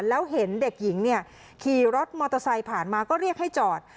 แล้วเห็นเด็กหญิงเนี่ยขี่รถมอเตอร์ไซค์ผ่านมาก็เรียกให้จอด